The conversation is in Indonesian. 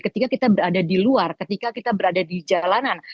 ketika kita berada di luar ketika kita berada di jalanan